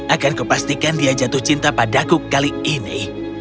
akanku pastikan dia jatuh cinta padaku kali ini